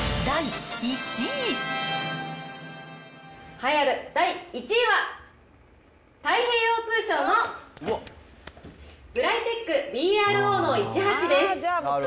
栄えある第１位は、太平洋通商のブライテックＢＲＯー１８です。